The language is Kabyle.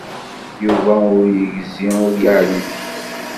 Yuba ur yegzi, ur yeɛlim.